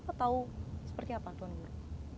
atau seperti apa tuan rumah